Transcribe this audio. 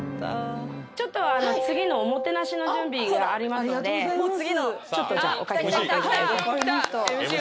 ちょっと次のおもてなしの準備がありますのでちょっとじゃあおかけになっていただいてＭＣ！